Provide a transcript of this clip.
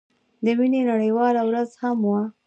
د مينې نړيواله ورځ هم وه.